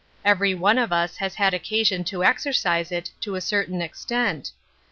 Every one of us has had occasion to ex ercise it to a certain extent.